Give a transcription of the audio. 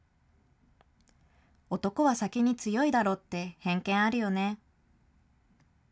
男は酒に強いだろって偏見あるよね。